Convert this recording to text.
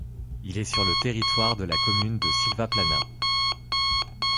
Il est sur le territoire de la commune de Silvaplana.